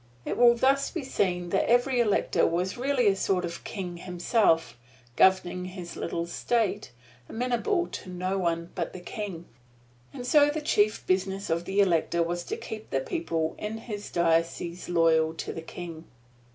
It will thus be seen that every elector was really a sort of King himself, governing his little State, amenable to no one but the King. And so the chief business of the elector was to keep the people in his diocese loyal to the King.